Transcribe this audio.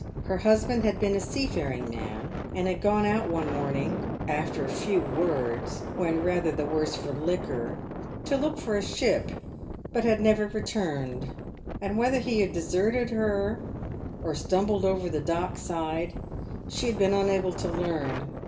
Her husband had been a seafaring man, and had gone out one morning — after a few words, when rather the worse for liquor — to look for a ship, but had never returned ; and whether he had deserted her, or stumbled over the dock's side, she had been unable to learn.